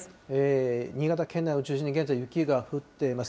新潟県内を中心に現在、雪が降っています。